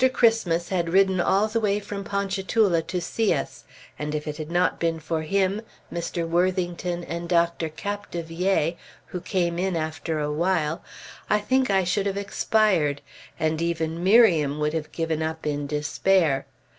Christmas had ridden all the way from Ponchatoula to see us, and if it had not been for him, Mr. Worthington, and Dr. Capdevielle, who came in after a while, I think I should have expired, and even Miriam would have given up in despair.